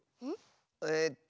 えっと